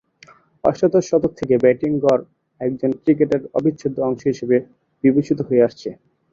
অষ্টাদশ শতক থেকে ব্যাটিং গড় একজন ক্রিকেটারের অবিচ্ছেদ্য অংশ হিসেবে বিবেচিত হয়ে আসছে।